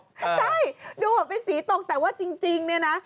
ใช่ดูเหมือนเป็นสีตกแต่ว่าจริงเนี่ยนะ